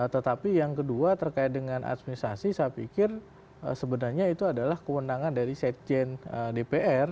tetapi yang kedua terkait dengan administrasi saya pikir sebenarnya itu adalah kewenangan dari sekjen dpr